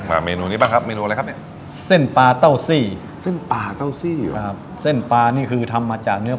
อ่ะแล้วเมนูนี้บ้างครับเมนูอะไรครับเนี่ย